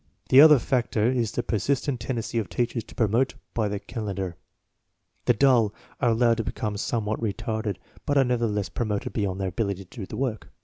The other factor is the persistent tendency of teachers to promote by the cal endar. The dull are allowed to become somewhat re tarded, but are nevertheless promoted beyond their ability to do the work.